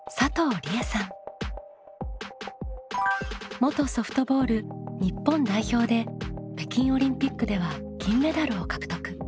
元ソフトボール日本代表で北京オリンピックでは金メダルを獲得。